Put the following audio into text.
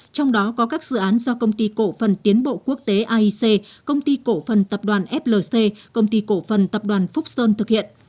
trong đó có các dự án do công ty cổ phần tiến bộ quốc tế aic công ty cổ phần tập đoàn flc công ty cổ phần tập đoàn phúc sơn thực hiện